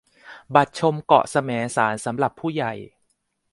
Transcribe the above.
บัตรชมเกาะแสมสารสำหรับผู้ใหญ่